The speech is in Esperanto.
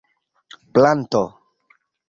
planto